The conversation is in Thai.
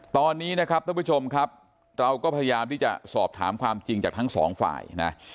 ตอนนี้นะครับท่านผู้ชมครับเราก็พยายามที่จะสอบถามความจริงจากทั้งสองฝ่ายนะ